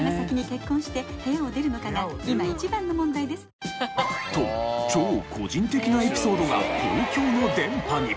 さらに。と超個人的なエピソードが公共の電波に。